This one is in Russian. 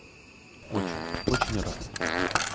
Очень, очень рад!